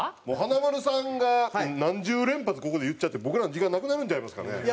もう華丸さんが何十連発ここで言っちゃって僕らの時間なくなるんちゃいますかね？